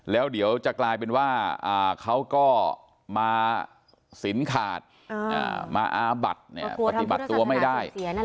แล้วเดี๋ยวจะกลายเป็นว่าเขาก็มาสินขาดมาอาบัดปฏิบัติตัวไม่ได้